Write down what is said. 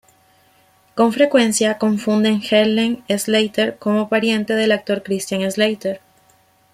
Con frecuencia, confunden Helen Slater como pariente del actor Christian Slater.